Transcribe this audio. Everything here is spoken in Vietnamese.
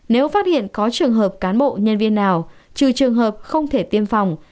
nếu phát hiện có trường hợp cán bộ nhân viên nào trừ trường hợp không thể tiêm phòng